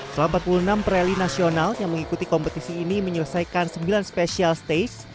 setelah empat puluh enam rally nasional yang mengikuti kompetisi ini menyelesaikan sembilan special stage